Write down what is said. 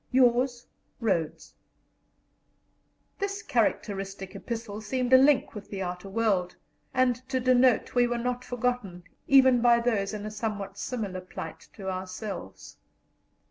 "Yrs (.).Rhodes] This characteristic epistle seemed a link with the outer world, and to denote we were not forgotten, even by those in a somewhat similar plight to ourselves.